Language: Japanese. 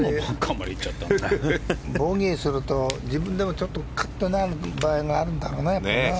ボギーすると自分でもカッとなる場合があるんだろうな。